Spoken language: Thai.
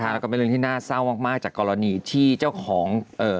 แล้วก็เป็นเรื่องที่น่าเศร้ามากจากกรณีที่เจ้าของ